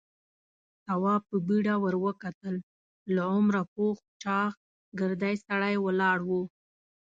تواب په بيړه ور وکتل. له عمره پوخ چاغ، ګردی سړی ولاړ و.